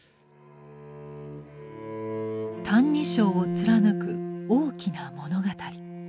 「歎異抄」を貫く「大きな物語」。